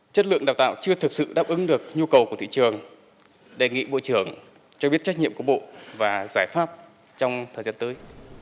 chất lượng đào tạo chưa thực sự đáp ứng được nhu cầu của thị trường đề nghị bộ trưởng cho biết trách nhiệm của bộ và giải pháp trong thời gian tới